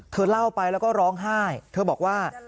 เล่าไปแล้วก็ร้องไห้เธอบอกว่า